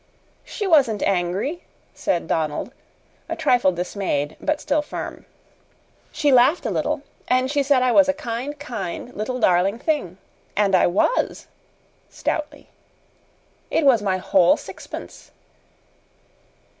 "She wasn't angry," said Donald, a trifle dismayed, but still firm. "She laughed a little, and she said I was a kind, kind little darling thing. And I was!" stoutly. "It was my whole sixpence."